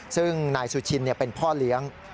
ซึ่งนายสุชินเป็นพ่อเลี้ยง